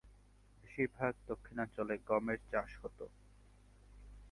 বেশিরভাগ দক্ষিণাঞ্চলে গমের চাষ হত।